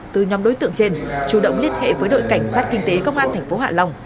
từ nhóm đối tượng trên chủ động liên hệ với đội cảnh sát kinh tế công an tp hạ long